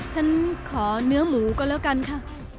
ฉันขอเนื้อหมูก็แล้วกันค่ะ